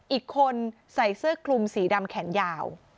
อีกคนใส่เสื้อคลุมสีดำแขนยาว